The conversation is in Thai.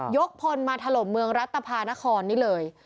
พลมาถล่มเมืองรัฐภานครนี่เลย